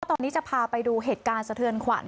ตอนนี้จะพาไปดูเหตุการณ์สะเทือนขวัญ